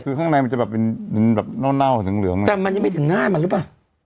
คือข้างในมันจะแบบเป็นหน้าวขอยุ่งเหลืองงแต่มันยังไม่ถึงหน้ามันรู้ป่ะ